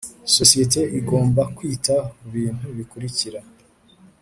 Sosiyete igomba kwita ku bintu bikurikira